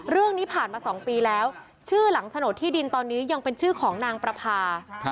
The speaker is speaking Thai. เรื่องนี้ผ่านมา๒ปีแล้วชื่อหลังโฉนดที่ดินตอนนี้ยังเป็นชื่อของนางประพา